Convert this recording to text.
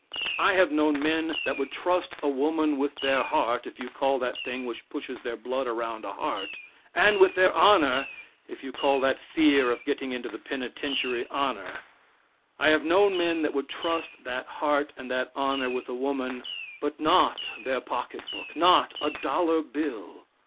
I have known men that would trust a woman with their heart if you call that thing which pushes their blood around a heart; and with their honor if you call that fear, of getting into the penitentiary, honor; I have known men that would trust that heart and that honor with a woman, but not their pocket book not a dollar bill.